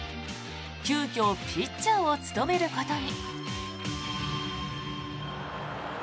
急きょピッチャーを務めることに。